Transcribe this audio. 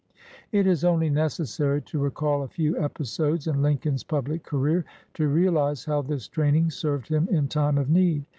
It is only necessary to recall a few episodes in Lincoln's public career to realize how this training served him in time of need.